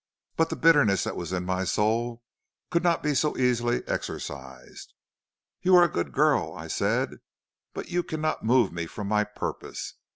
"But the bitterness that was in my soul could not be so easily exorcised. "'You are a good girl,' I said, 'but you cannot move me from my purpose.'